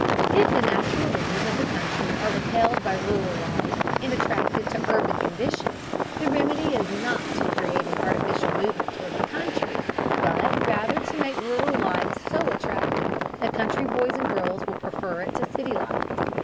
If the natural leaders of the country are repelled by rural life and attracted by urban conditions, the remedy is not to create an artificial movement toward the country, but rather to make rural life so attractive that country boys and girls will prefer it to city life.